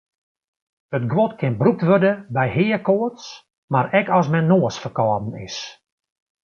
It guod kin brûkt wurde by heakoarts mar ek as men noasferkâlden is.